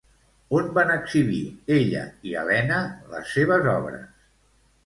On van exhibir, ella i Elena, les seves obres?